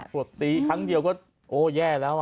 ปวดตีครั้งเดียวก็โอ้แย่แล้ว